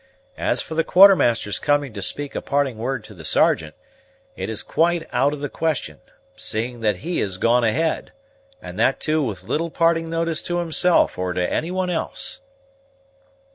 As for the Quartermaster's coming to speak a parting word to the Sergeant, it is quite out of the question, seeing that he has gone ahead, and that too with little parting notice to himself, or to any one else."